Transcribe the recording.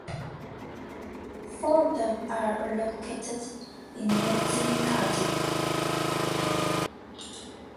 Four of them are located in Guernsey County.